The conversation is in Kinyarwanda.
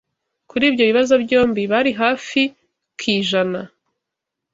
kuri ibyo bibazo byombi bari hafi ki ijana